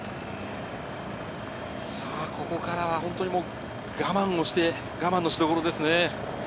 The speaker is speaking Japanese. さぁ、ここからは我慢をして、我慢のしどころですね。